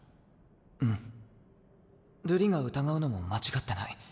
うん瑠璃が疑うのも間違ってない。